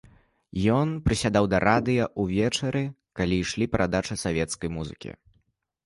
Ён прысядаў да радыё ўвечары, калі ішлі перадачы свецкай музыкі.